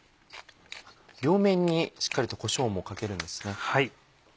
両面にしっかりとこしょうもかけるんですね。